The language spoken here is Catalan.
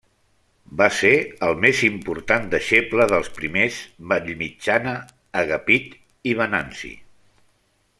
Va ser el més important deixeble dels primers Vallmitjana, Agapit i Venanci.